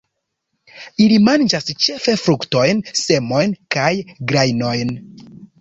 Ili manĝas ĉefe fruktojn, semojn kaj grajnojn.